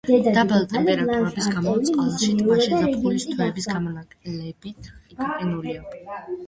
დაბალი ტემპერატურების გამო წყალი ტბაში ზაფხულის თვეების გამოკლებით გაყინულია.